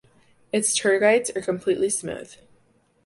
Its tergites are completely smooth.